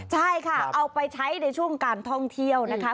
ใช่ค่ะเอาไปใช้ในช่วงการท่องเที่ยวนะคะ